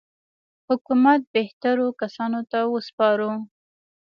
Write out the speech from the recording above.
حکومت بهترو کسانو ته وسپارو.